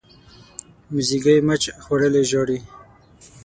موزیګی مچ خوړلی ژاړي.